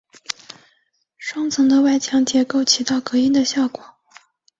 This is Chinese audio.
双层的外墙结构起到隔音的效果。